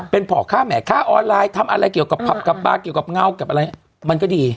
เป็นพ่อค้าแหม่ค่าออนไลน์ทำอะไรเกี่ยวกับผับกับปลาเกี่ยวกับเงากับอะไรมันก็ดี